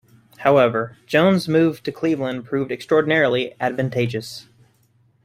However, Jones's move to Cleveland proved extraordinarily advantageous.